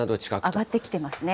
上がってきてますね。